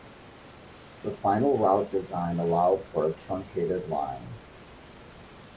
The final route design allowed for a truncated line.